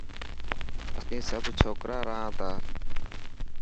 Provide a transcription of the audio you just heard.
اسين سڀ ڇوڪرا رهان تا.